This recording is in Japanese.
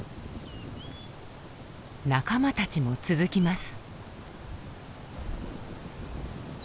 仲間たちも続きます。